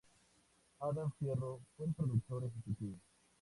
Adam Fierro fue el productor ejecutivo.